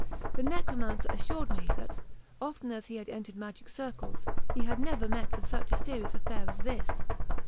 The necromancer assured me that, often as he had entered magic circles, he had never met with such a serious affair as this.